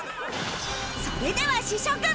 それでは試食